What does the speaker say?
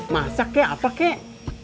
masak ya apa kek